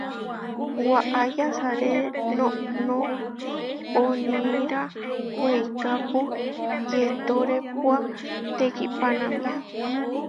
Waʼá yasaré noʼnó poníra weikápu yetórepua tekihpanámia.